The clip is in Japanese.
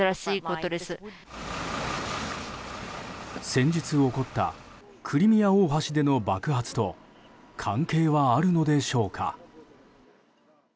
先日起こったクリミア大橋での爆発と関係はあるのでしょうか。